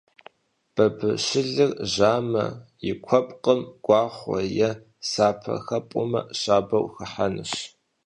Бабыщылыр жьамэ, и куэпкъым гуахъуэ е сапэ хэпӀумэ щабэу хыхьэнущ.